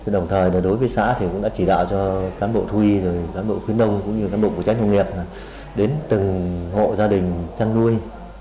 đồng thời đối với xã thì cũng đã chỉ đạo cho cán bộ thú y cán bộ khuyến đông cũng như cán bộ phụ trách nông nghiệp đến từng hộ gia đình chăn nuôi